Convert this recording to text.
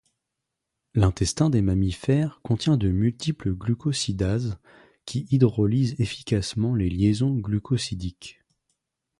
L'intestin des mammifères contient de multiples glucosidases qui hydrolysent efficacement les liaisons glucosidiques.